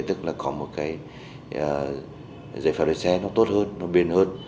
tức là có một cái giấy phép lái xe nó tốt hơn nó bền hơn